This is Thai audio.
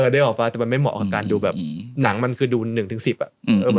เด้อออกมาไม่เหมาะกับหนังดูหนึ่งถึงสิบ